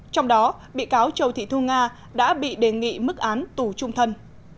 trong đó bị cáo châu thị thu nga đã bị đề nghị mức án tù trung thân